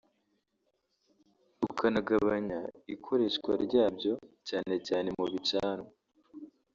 tukanagabanya ikoreshwa ryabyo cyane cyane mu bicanwa